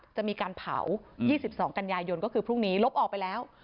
จะมีการเผา๒๒กันยายนก็คือพรุ่งนี้ลบออกไปแล้ว